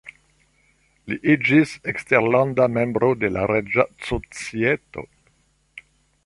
Li iĝis eksterlanda membro de la Reĝa Societo.